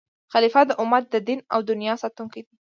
خلیفه د امت د دین او دنیا ساتونکی دی.